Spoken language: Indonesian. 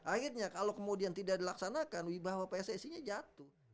akhirnya kalau kemudian tidak dilaksanakan wibah wpsis nya jatuh